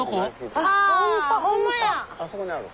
あそこにあるわ。